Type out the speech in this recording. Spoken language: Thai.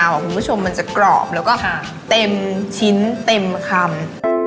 คุณผู้ชมมันจะกรอบแล้วก็เต็มชิ้นเต็มคำ